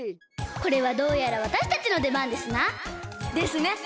これはどうやらわたしたちのでばんですな！ですね！